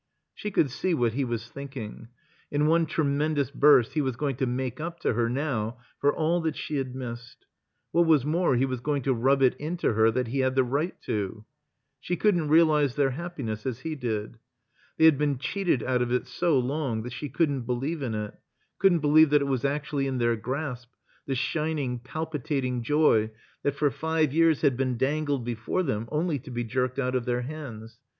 She could see what he was thinking. In one tremendous burst he was going to make up to her now for all that she had missed. What was more, he was going to rub it into her that he had the right to. She couldn't realize their happiness as he did. They had been cheated out of it so long that she couldn't believe in it, couldn't believe that it was actually in their grasp, the shining, palpitating joy that for five years had been dangled before them only to be jerked out of their hands.